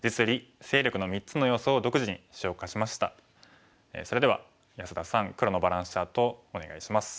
講座ではそれでは安田さん黒のバランスチャートをお願いします。